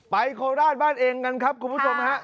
โคราชบ้านเองกันครับคุณผู้ชมฮะ